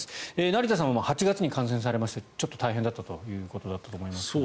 成田さんは８月に感染されてちょっと大変だったということだと思いますが。